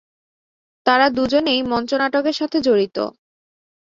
তারা দুজনেই মঞ্চনাটকের সাথে জড়িত।